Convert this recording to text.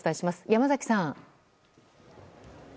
山崎さん。